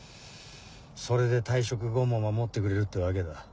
それで退職後も守ってくれるってわけだ。